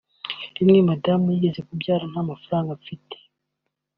Rimwe madamu yagiye kubyara nta mafaranga mfite